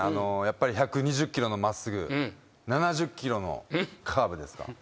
１２０キロの真っすぐ７０キロのカーブですか。